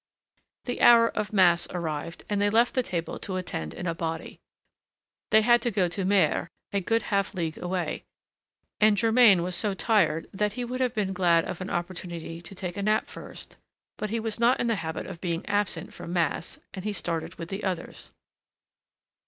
The hour of Mass arrived, and they left the table to attend in a body. They had to go to Mers, a good half league away, and Germain was so tired that he would have been glad of an opportunity to take a nap first: but he was not in the habit of being absent from Mass, and he started with the others.